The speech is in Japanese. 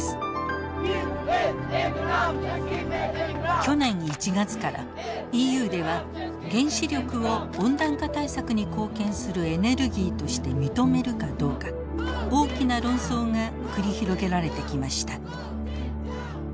去年１月からＥＵでは原子力を温暖化対策に貢献するエネルギーとして認めるかどうか大きな論争が繰り広げられてきました。